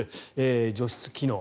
除湿機能。